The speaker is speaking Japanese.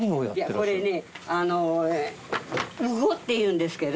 これねうごっていうんですけど。